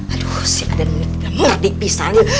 aduh si aden ini tidak mau dipisahin yuk